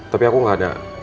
tapi aku gak ada